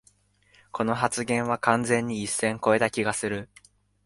この発言は完全に一線こえた気がする